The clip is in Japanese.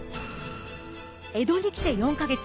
江戸に来て４か月。